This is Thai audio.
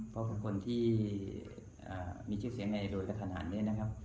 เพราะคนที่มีชิ้นเสียงในโรยกระทานหันเนี่ยนะครับ